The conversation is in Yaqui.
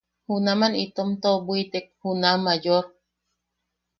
Junaman itom toʼobwitek juna Mayor.